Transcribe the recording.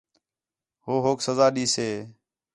ہو ہوک سزا ݙیسے